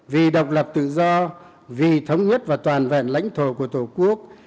vì độc lập tự do vì thống nhất và toàn vẹn lãnh thổ của tổ quốc